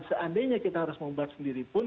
seandainya kita harus membuat sendiri pun